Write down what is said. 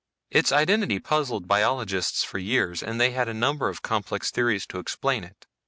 Its identity puzzled biologists for years, and they had a number of complex theories to explain it.